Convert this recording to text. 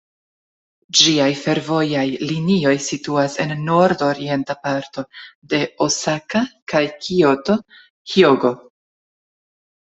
Ĝiaj fervojaj linioj situas en nord-orienta parto de Osaka kaj Kioto, Hjogo.